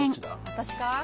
私か？